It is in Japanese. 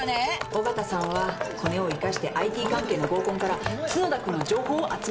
緒方さんはコネを生かしてＩＴ関係の合コンから角田君の情報を集めてる。